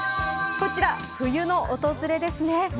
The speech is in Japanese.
こちら冬の訪れですね。